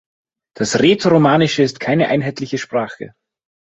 Das Rätoromanische ist keine einheitliche Sprache.